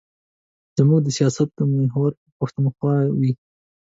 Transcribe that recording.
زموږ د سیاست محور به پښتونخوا وي.